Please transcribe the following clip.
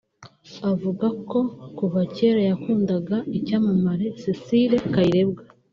Avuga ko kuva kera yakundaga icyamamare Cecile Kayirebwa